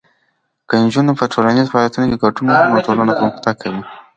که نجونې په ټولنیزو فعالیتونو کې ګډون وکړي، نو ټولنه پرمختګ کوي.